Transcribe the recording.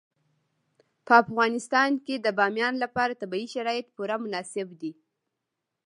په افغانستان کې د بامیان لپاره طبیعي شرایط پوره مناسب دي.